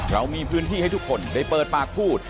เรามีพื้นที่ให้ทุกคนได้เปิดปากพูด